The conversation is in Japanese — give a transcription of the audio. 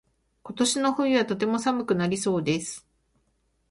今年の冬はとても寒くなりそうです。